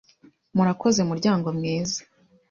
Murakoze muryango mwiza